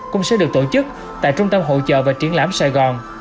cũng sẽ được tổ chức tại trung tâm hỗ trợ và triển lãm sài gòn